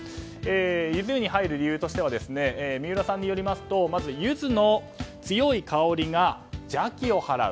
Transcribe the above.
ゆず湯に入る理由としては三浦さんによるとまず、ゆずの強い香りが邪気を払う。